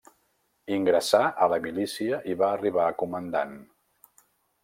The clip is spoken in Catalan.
Ingressà a la milícia i va arribar a comandant.